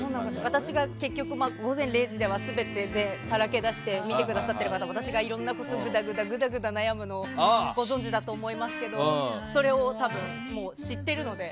私が結局、「午前０時」ではすべてさらけ出して見てくださってる方も私がグダグダ悩むのをご存じだと思いますけどそれを多分知ってるので。